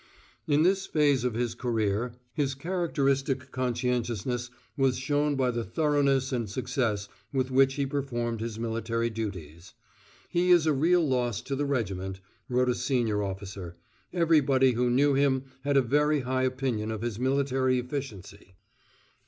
In this phase of his career his characteristic conscientiousness was shown by the thoroughness and success with which he performed his military duties "He is a real loss to the regiment," wrote a senior officer; "everybody who knew him had a very high opinion of his military efficiency."